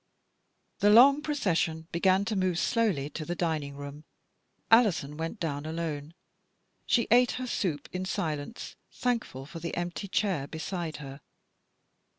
The long procession began to move slowly to the dining room. Alison went down alone. She took her soup in silence, thankful for the empty chair beside her.